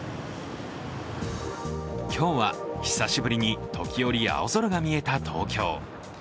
今日は久しぶりに、時折青空が見えた東京。